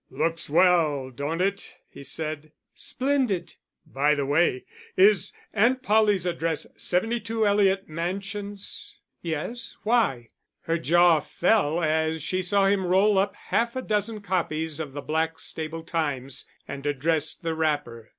"Looks well, don't it?" he said. "Splendid!" "By the way, is Aunt Polly's address 72 Eliot Mansions?" "Yes. Why?" Her jaw fell as she saw him roll up half a dozen copies of the Blackstable Times and address the wrapper.